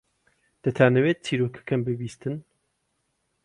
دەتانەوێت چیرۆکەکەم ببیستن؟